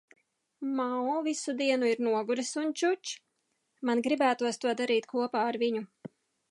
Mao visu dienu ir noguris un čuč. Man gribētos to darīt kopā ar viņu.